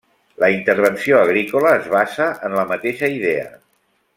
La intervenció agrícola es basa en la mateixa idea.